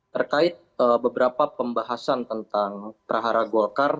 terkait beberapa pembahasan tentang prahara golkar